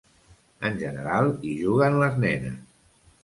En general hi juguen les nenes.